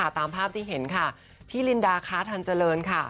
ตามภาพที่เห็นค่ะพี่ลินดาค้าทันเจริญค่ะ